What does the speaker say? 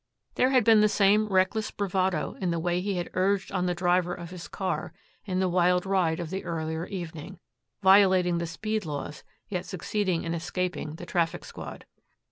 There had been the same reckless bravado in the way he had urged on the driver of his car in the wild ride of the earlier evening, violating the speed laws yet succeeding in escaping the traffic squad.